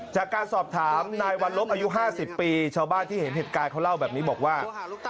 จากการสอบถามนายวันลบอายุ๕๐ปีชาวบ้านที่เห็นเหตุการณ์เขาเล่าแบบนี้บอกว่า